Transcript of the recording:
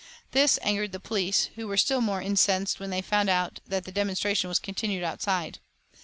This angered the police, who were still more incensed when they found that the demonstration was continued outside.